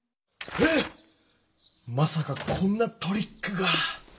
え⁉まさかこんなトリックが。